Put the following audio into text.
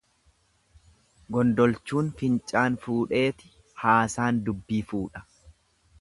Gondolchuun fincaan fuudheeti haasaan dubbii fuudha.